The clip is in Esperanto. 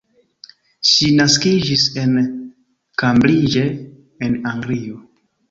Ŝi naskiĝis en Cambridge en Anglio.